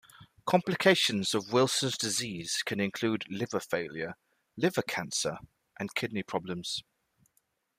Complications of Wilson's disease can include liver failure, liver cancer, and kidney problems.